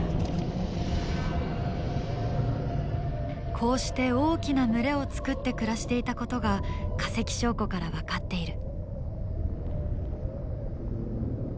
こうして大きな群れを作って暮らしていたことが化石証拠から分かっている。